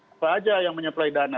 apa saja yang menyeplai dana